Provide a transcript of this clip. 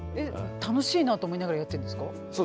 楽しいなと思いながらやってんですか？